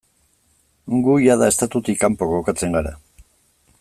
Gu jada estatutik kanpo kokatzen gara.